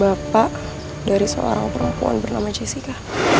bapak dari seorang perempuan bernama jessica